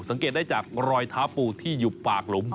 สังเกตได้จากรอยเท้าปูที่อยู่ปากหลุม